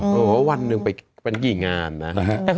โอ้โหวันหนึ่งไปเป็นกี่งานนะ